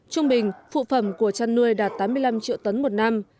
trung bình phụ phẩm của chăn nuôi đạt tám mươi năm triệu tấn một năm